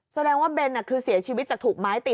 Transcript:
แสดงว่าเบนคือเสียชีวิตจากถูกไม้ตี